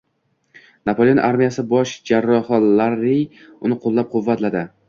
Napoleon armiyasi bosh jarrohi Larrey uni qo‘llab-quvvatladi